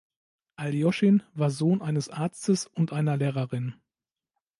Aljoschin war Sohn eines Arztes und einer Lehrerin.